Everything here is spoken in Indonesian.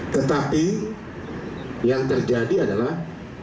tetapi yang terjadi adalah